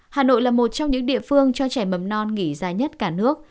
hà nội là một trong những địa phương cho trẻ mầm non nghỉ dài nhất cả nước